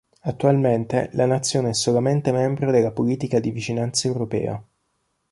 Attualmente, la nazione è solamente membro della Politica di Vicinanza Europea.